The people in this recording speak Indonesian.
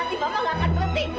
sakit hati mama tidak akan berhenti